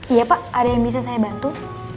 iya pak ada yang bisa saya bantu